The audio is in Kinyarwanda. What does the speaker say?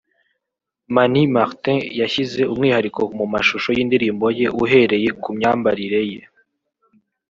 Mani Martin yashyize umwihariko mu mashusho y’indirimbo ye uhereye ku myambarire ye